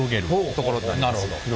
なるほど。